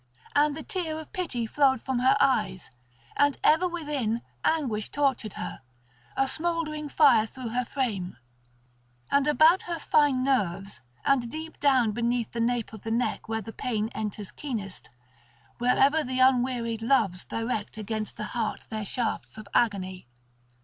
And the tear of pity flowed from her eyes, and ever within anguish tortured her, a smouldering fire through her frame, and about her fine nerves and deep down beneath the nape of the neck where the pain enters keenest, whenever the unwearied Loves direct against the heart their shafts of agony.